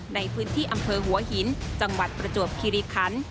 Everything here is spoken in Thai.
ในพื้นที่อำเภอหัวหินจังหวัดประจวบคิริคัน